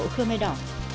khơi mây đỏ